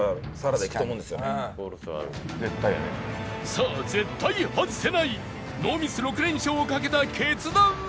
さあ絶対外せないノーミス６連勝をかけた決断は？